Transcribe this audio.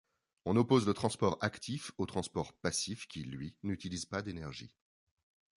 On oppose le transport actif au transport passif qui lui n'utilise pas d'énergie.